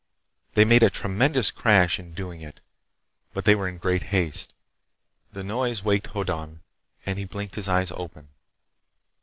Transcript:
They made a tremendous crash in doing it, but they were in great haste. The noise waked Hoddan, and he blinked his eyes open.